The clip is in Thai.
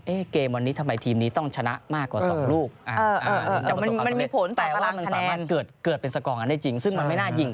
เอ๊ะเกมวันนี้ทำไมทีมนี้ต้องชนะมากกว่าสองลูก